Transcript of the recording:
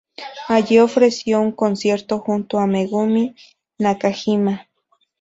Allí ofreció un concierto junto a Megumi Nakajima.